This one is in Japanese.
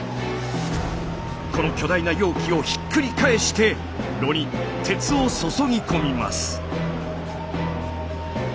この巨大な容器をひっくり返して炉に鉄を注ぎ込みます。